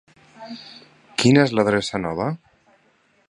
Quina és l'adreça nova?